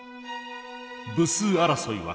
部数争いは過熱。